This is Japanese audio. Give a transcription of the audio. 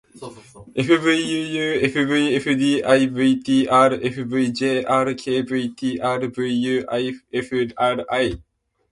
fvuufvfdivtrfvjrkvtrvuifri